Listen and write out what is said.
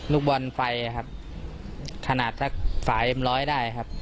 ลูกบอลไฟครับขนาดสักฝ่ายเอ็มร้อยได้ครับ